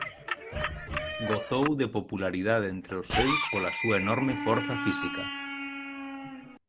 Gozou de popularidade entre os seus pola súa enorme forza física.